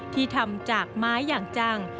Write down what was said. ที่ทำจากไม้อย่างจัง